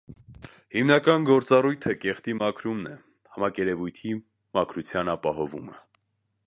Հիմնական գործառույթը կեղտի մաքրումն է, մակերևույթի մաքրության ապահովումը։